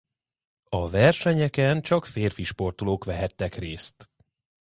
A versenyeken csak férfi sportolók vehettek részt.